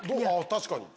確かに。